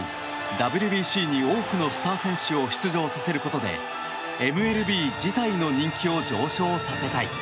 ＷＢＣに多くのスター選手を出場させることでＭＬＢ自体の人気を上昇させたい。